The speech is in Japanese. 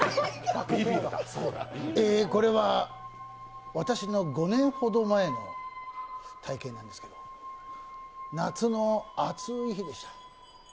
えー、これは私の５年ほど前の体験なんですけど夏の暑い日です。